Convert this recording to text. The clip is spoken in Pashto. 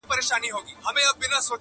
• هغه بېغمه له مرګه ژونده -